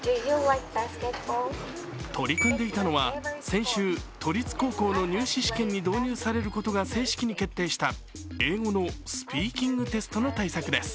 取り組んでいたのは先週都立高校の入学試験に導入されることが正式に決定した英語のスピーキングテストの対策です。